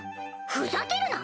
ふざけるな！